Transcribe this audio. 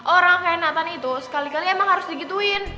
orang kayak nata nih itu sekali kali emang harus digituin